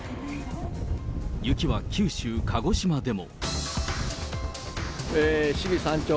雪は九州・鹿児島でも。